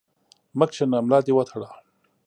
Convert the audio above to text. مه کښېنه ، ملا دي وتړه!